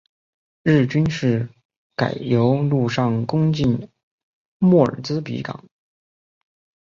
日军于是改由陆上进攻莫尔兹比港。